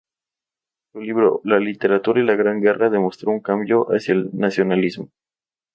Su libro "La literatura y la gran guerra", demostró un cambio hacia el nacionalismo.